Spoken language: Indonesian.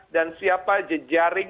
dan siapa aja jaring